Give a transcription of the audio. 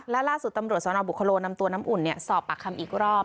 และล่าสุดตำรวจสนบุคโลนำตัวน้ำอุ่นสอบปากคำอีกรอบ